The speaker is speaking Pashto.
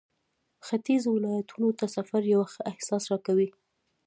ختيځو ولایتونو ته سفر یو ښه احساس راکوي.